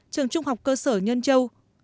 trường trung học cơ sở nhân châu